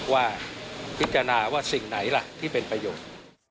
ว่าพิจารณาว่าสิ่งไหนล่ะที่เป็นประโยชน์